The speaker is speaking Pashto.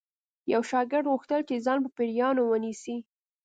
یو شاګرد غوښتل چې ځان په پیریانو ونیسي